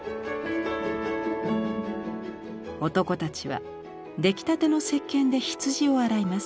男たちは出来たてのせっけんで羊を洗います。